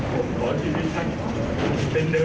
ที่ในชีวิตผมผมเกี่ยวกับสองแท้